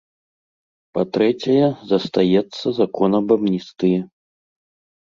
Па-трэцяе, застаецца закон аб амністыі.